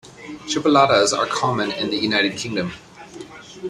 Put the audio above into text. Chipolatas are common in the United Kingdom.